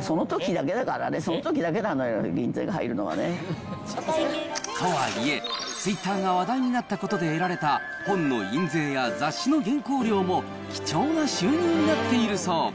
そのときだけからね、そのときだけなのよ、印税が入るのはね。とはいえ、ツイッターが話題になったことで得られた本の印税や雑誌の原稿料も、貴重な収入になっているそう。